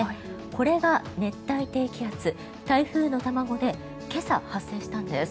これが熱帯低気圧台風の卵で今朝、発生したんです。